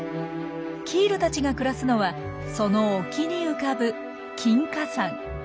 キールたちが暮らすのはその沖に浮かぶ金華山。